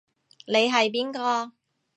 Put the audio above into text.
你係邊個？